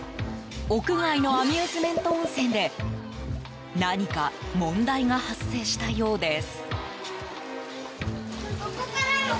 屋外のアミューズメント温泉で何か問題が発生したようです。